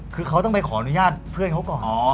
คือเขาต้องไปขออนุญาตเพื่อนเขาก่อน